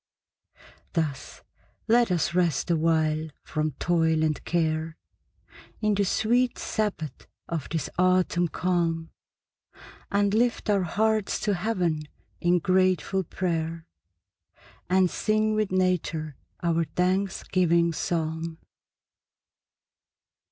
Thus let us rest awhile from toil and care, In the sweet sabbath of this autumn calm, And lift our hearts to heaven in grateful prayer, And sing with nature our thanksgiving psalm.